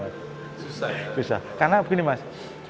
susah karena begini mas